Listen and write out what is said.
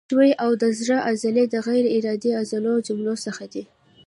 ښویې او د زړه عضلې د غیر ارادي عضلو له جملو څخه دي.